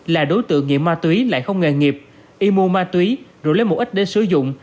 là đối tượng nghiệp ma túy lại không nghề nghiệp y mua ma túy rủ lấy một ít để sử dụng